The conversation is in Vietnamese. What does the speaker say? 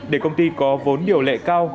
để công ty có vốn điều lệ cao